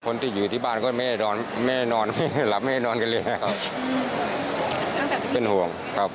คนที่อยู่ที่บ้านก็รับไม่ให้นอนกันเลยนะครับ